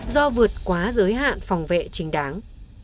do vượt quá giới hạn phòng vệ chính đáng